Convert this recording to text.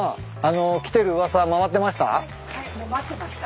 来てる噂回ってました？